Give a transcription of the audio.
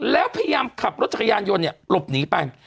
แล้วพยายามขับรถจักรยานยนต์หลบหนีไป